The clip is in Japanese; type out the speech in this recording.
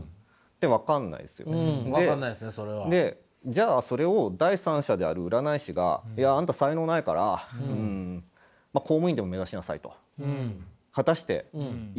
じゃあそれを第三者である占い師がいやあんた才能ないからうん公務員でも目指しなさいと果たして言っていいのか。